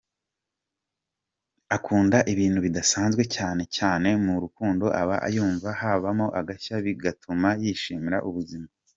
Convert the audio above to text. Akunda ibintu bidasnzwe, cyane cyane mu rukundo aba yumva habamo agashya bigatuma yishimira ubuzima.